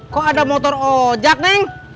kok ada motor ojek neng